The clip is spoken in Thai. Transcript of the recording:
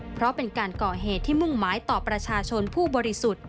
เพราะเป็นการก่อเหตุที่มุ่งหมายต่อประชาชนผู้บริสุทธิ์